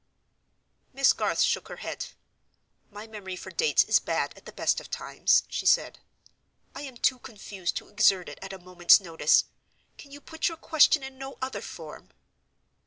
Miss Garth shook her head. "My memory for dates is bad at the best of times," she said. "I am too confused to exert it at a moment's notice. Can you put your question in no other form?"